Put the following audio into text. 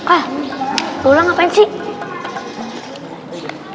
ah lulang ngapain sih